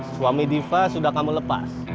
suami diva sudah kamu lepas